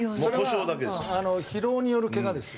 疲労によるけがですよ。